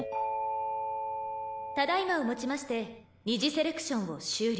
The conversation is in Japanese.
「ただ今をもちまして二次セレクションを終了」